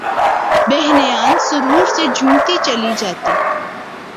ہہنیاں سرور سے جھومتی چلی جاتیں